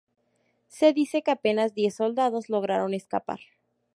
Se dice que apenas diez soldados lograron escapar.